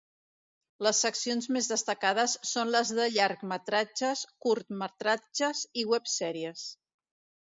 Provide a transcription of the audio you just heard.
Les seccions més destacades són les de llargmetratges, curtmetratges i web series.